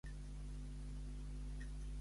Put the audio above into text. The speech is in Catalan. Aquesta cançó és una porqueria.